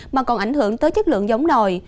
mà còn ảnh hưởng tới chất lượng giống nồi